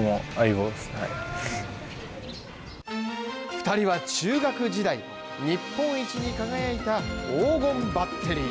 ２人は中学時代、日本一に輝いた黄金バッテリー。